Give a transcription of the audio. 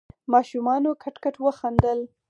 ماشومانو کټ کټ وخندل.